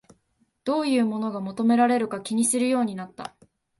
どういうものが求められるか気にするようになった